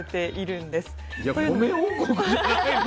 米王国じゃないの？